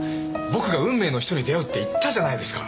僕が運命の人に出会うって言ったじゃないですか。